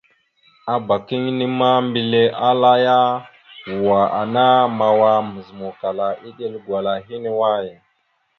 Abak inne ma, mbile ala ya: "Wa ana mawa mazǝmawkala iɗel gwala hine away?".